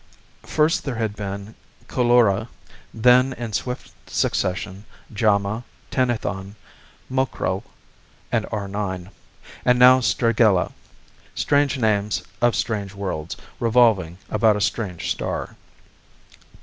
First there had been Coulora; then in swift succession, Jama, Tenethon, Mokrell, and R 9. And now Stragella. Strange names of strange worlds, revolving about a strange star.